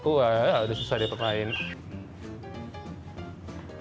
udah susah diperkain